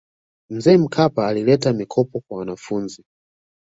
mzee mkapa alileta mikopo kwa wanafunzi